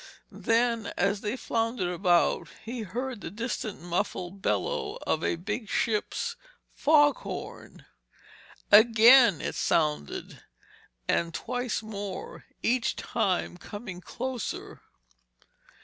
Then as they floundered about, he heard the distant, muffled bellow of a big ship's foghorn. Again it sounded; and twice more, each time coming closer.